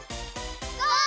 ゴー！